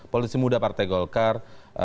politisi muda partai golkar